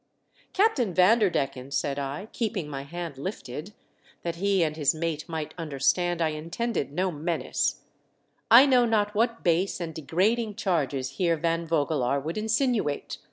" Captain Vanderdecken," said I, keeping my hand lifted, that he and his mate might understand I intended no menace, " I know not what base and degrading charges Heer Van Vogelaar would insinuate.